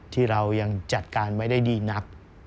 ที่เรายังจัดการไม่ได้ดีนัก